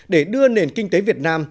để đưa nền kinh tế việt nam